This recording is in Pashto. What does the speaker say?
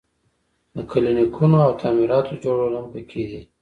د کلینیکونو او تعمیراتو جوړول هم پکې دي.